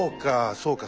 そうか。